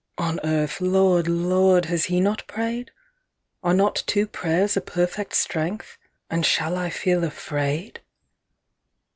—on earth, Lord, Lord, has he not pray'd? Are not two prayers a perfect strength? And shall I feel afraid?